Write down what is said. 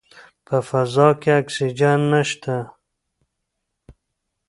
په فضا کې اکسیجن نشته.